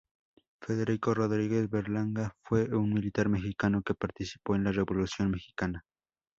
Federico Rodríguez Berlanga fue un militar mexicano que participó en la Revolución mexicana.